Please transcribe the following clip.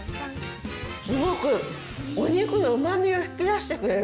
すごくお肉のうまみを引き出してくれる。